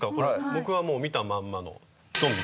僕はもう見たまんまのゾンビ？